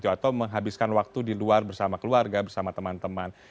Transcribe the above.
atau menghabiskan waktu di luar bersama keluarga bersama teman teman